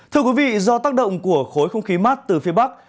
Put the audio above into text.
thưa quý vị do tác động của khối không khí mát từ phía bắc